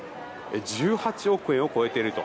１８億円を超えていると。